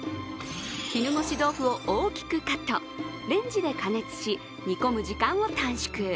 絹ごし豆腐を大きくカットレンジで加熱し、煮込む時間を短縮。